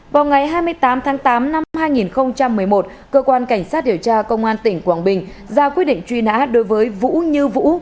vào ngày hai mươi tám tháng tám năm hai nghìn một mươi một cơ quan cảnh sát điều tra công an tỉnh quảng bình ra quyết định truy nã đối với vũ như vũ